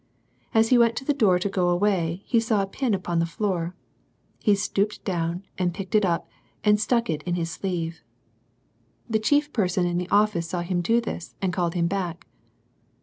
As he went to the door to go away, he saw a pin upon the floor. He stooped down and picked it up, and stuck it in his sleeve. The chief person in the office saw him do this, and called him back.